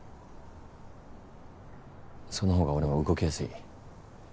そのほうが俺も動きやすい。